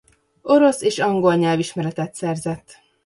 Orosz és angol nyelvismeretet szerzett.